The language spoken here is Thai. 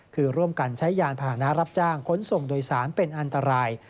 คือร่วมกันใช้ยานพาหนะรับจ้างขนส่งโดยสารเป็นอันตราย